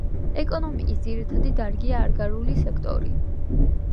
ეკონომიკის ძირითადი დარგია აგრარული სექტორი.